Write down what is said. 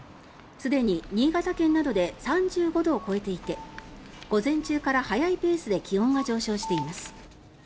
すでに新潟県などで３５度を超えていて午前中から早いペースで気温が上昇しています。